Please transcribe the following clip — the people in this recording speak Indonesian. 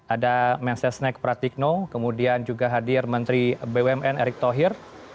ada mensesnek pratikno kemudian juga hadir menteri bumn erick thohir